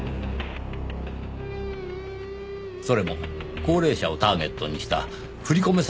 それも高齢者をターゲットにした振り込め